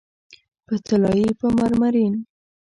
په طلایې، په مرمرین